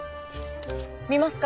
見ますか？